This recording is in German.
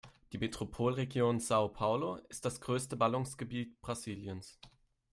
Die Metropolregion São Paulo ist das größte Ballungsgebiet Brasiliens.